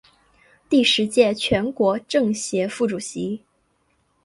第十届全国政协副主席。